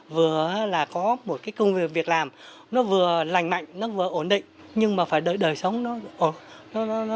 vừa là có một cái công việc việc làm nó vừa lành mạnh nó vừa ổn định nhưng mà phải đợi đời sống nó ổn